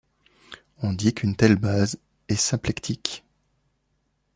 On dit qu'une telle base est symplectique.